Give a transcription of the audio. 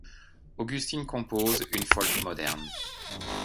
Augustine compose une folk moderne.